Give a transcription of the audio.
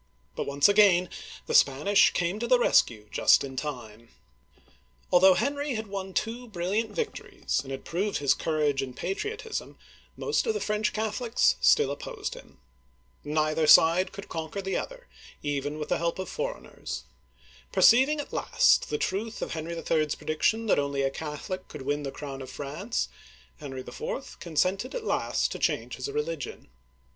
But once again the Spanish came to the rescue just in time. ^ See Story of the Chosen People^ p. 149. Digitized by Google 286 OLD FRANCE Although Henry had won two brilliant victories, and had proved his courage and patriotism, most of the French Catholics still opposed him. Neither side could conquer the other, even with the help of foreigners. Perceiving at last the truth of Henry HI.'s prediction that only a Catholic could win the crown of France, Henry IV. con sented at last to change his religion.